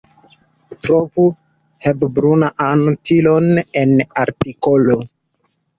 Trovu Hepburn-an titolon en artikolo.